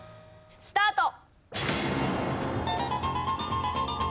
スタート！